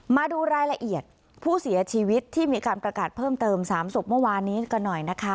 มาดูรายละเอียดผู้เสียชีวิตที่มีการประกาศเพิ่มเติม๓ศพเมื่อวานนี้กันหน่อยนะคะ